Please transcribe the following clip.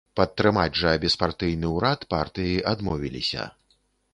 Падтрымаць жа беспартыйны ўрад партыі адмовіліся.